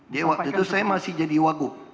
di waktu itu saya masih jadi wagu